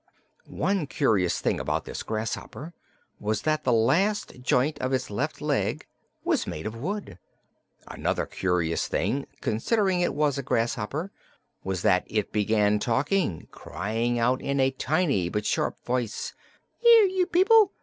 One curious thing about this grasshopper was that the last joint of its left leg was made of wood. Another curious thing considering it was a grasshopper was that it began talking, crying out in a tiny but sharp voice: "Here you people!